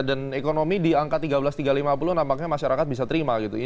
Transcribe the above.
dan ekonomi di angka tiga belas tiga ratus lima puluh nampaknya masyarakat bisa terima gitu